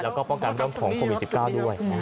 แล้วก็ป้องกันเรื่องของโควิด๑๙ด้วย